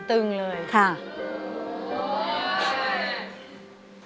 ตึงเลยค่ะโอ้โฮ